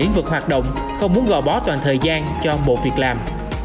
lĩnh vực hoạt động không muốn gò bó toàn thời gian cho bộ việc làm